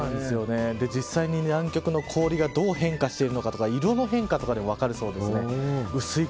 実際に南極の氷がどう変化してるのかとか色の変化とかも分かるそうですね。